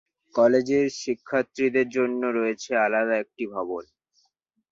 কলেজের শিক্ষার্থীদের জন্য রয়েছে আলাদা একটি ভবন।